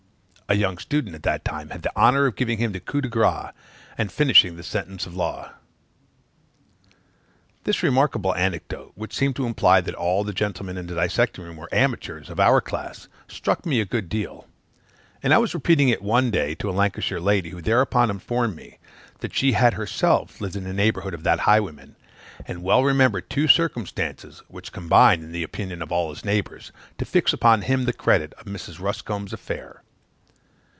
a young student at that time, had the honor of giving him the coup de grâce, and finishing the sentence of the law." This remarkable anecdote, which seemed to imply that all the gentlemen in the dissecting room were amateurs of our class, struck me a good deal; and I was repeating it one day to a Lancashire lady, who thereupon informed me, that she had herself lived in the neighborhood of that highwayman, and well remembered two circumstances, which combined, in the opinion of all his neighbors, to fix upon him the credit of Mrs. Ruscombe's affair.